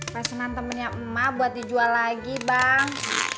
pesanan temennya emak buat dijual lagi bang